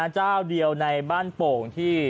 เจ้าเดียวในบ้านโป่งที่